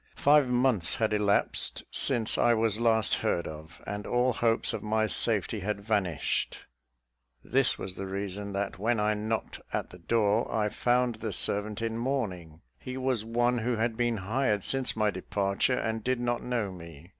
Five months had elapsed since I was last heard of, and all hopes of my safety had vanished: this was the reason that when I knocked at the door, I found the servant in mourning: he was one who had been hired since my departure, and did not know me.